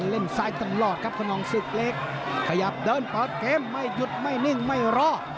เล่นซ้ายตลอดครับคนนองศึกเล็กขยับเดินเปิดเกมไม่หยุดไม่นิ่งไม่รอด